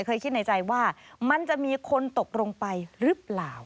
เคยคิดในใจว่ามันจะมีคนตกลงไปหรือเปล่า